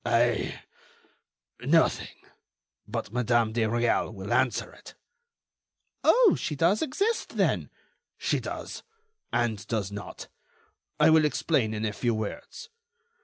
"I—nothing—but Madame de Réal will answer it." "Oh! she does exist, then?" "She does—and does not. I will explain in a few words.